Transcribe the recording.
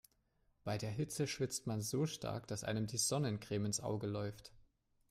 Bei der Hitze schwitzt man so stark, dass einem die Sonnencreme ins Auge läuft.